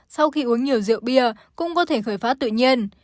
sau khi uống nhiều rượu bia cũng có thể khởi phát tự nhiên